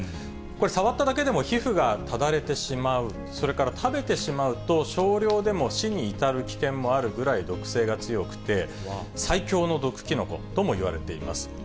これ、触っただけでも皮膚がただれてしまう、それから食べてしまうと、少量でも死に至る危険もあるくらい毒性が強くて、最強の毒キノコともいわれています。